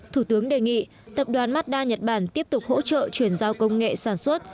thủ tướng đề nghị tập đoàn mazda nhật bản tiếp tục hỗ trợ chuyển giao công nghệ sản xuất